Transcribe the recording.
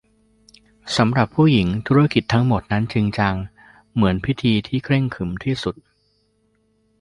สำหรับผู้หญิงธุรกิจทั้งหมดนั้นจริงจังเหมือนพิธีที่เคร่งขรึมที่สุด